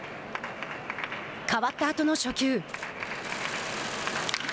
代わったあとの初球。